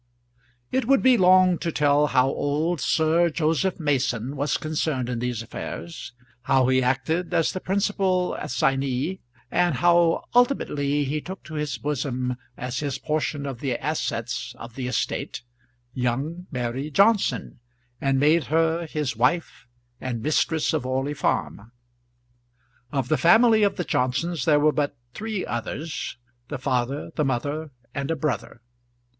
It would be long to tell how old Sir Joseph Mason was concerned in these affairs, how he acted as the principal assignee, and how ultimately he took to his bosom as his portion of the assets of the estate, young Mary Johnson, and made her his wife and mistress of Orley Farm. Of the family of the Johnsons there were but three others, the father, the mother, and a brother.